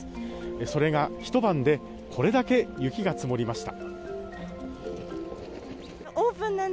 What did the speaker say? それがひと晩でこれだけ雪が積もりました。